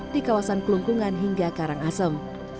di kawasan kelungkungan hingga karangasem